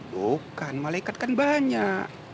bukan malaikat kan banyak